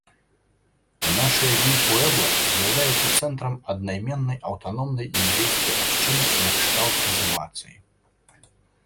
У нашы дні пуэбла з'яўляецца цэнтрам аднайменнай аўтаномнай індзейскай абшчыны накшталт рэзервацыі.